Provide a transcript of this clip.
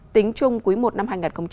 tính chung cuối một năm hai nghìn hai mươi bốn